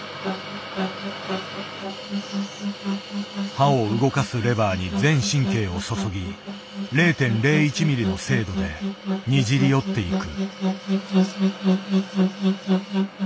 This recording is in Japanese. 刃を動かすレバーに全神経を注ぎ０．０１ミリの精度でにじり寄っていく。